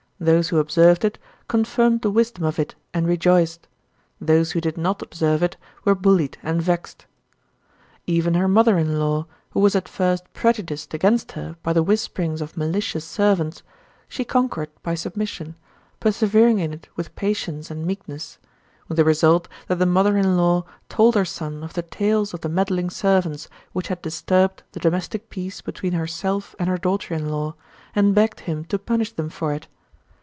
Those who observed it confirmed the wisdom of it and rejoiced; those who did not observe it were bullied and vexed. 20. Even her mother in law, who was at first prejudiced against her by the whisperings of malicious servants, she conquered by submission, persevering in it with patience and meekness; with the result that the mother in law told her son of the tales of the meddling servants which had disturbed the domestic peace between herself and her daughter in law and begged him to punish them for it.